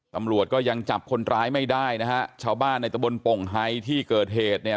ตำรวจก็ยังจับคนร้ายไม่ได้นะฮะชาวบ้านในตะบนโป่งไฮที่เกิดเหตุเนี่ย